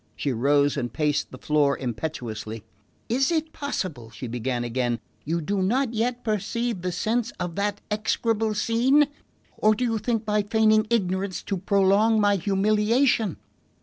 She rose and paced the floor impetuously. "Is it possible," she began again, "you do not yet perceive the sense of that execrable scene? Or do you think, by feigning ignorance, to prolong my humiliation?